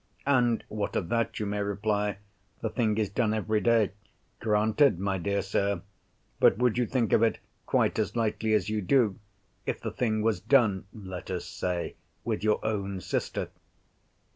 And what of that?—you may reply—the thing is done every day. Granted, my dear sir. But would you think of it quite as lightly as you do, if the thing was done (let us say) with your own sister?